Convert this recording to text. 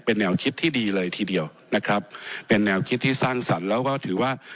เป็นแนวคิดที่ดีเลยทีเดียวนะครับเป็นแนวคิดที่สร้างสรรค์แล้วก็ถือว่า